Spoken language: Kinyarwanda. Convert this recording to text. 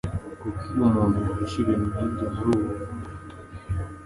Kuki umuntu yahisha ibintu nkibyo muri ubu buvumo?